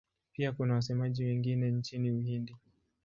Pia kuna wasemaji wengine nchini Uhindi.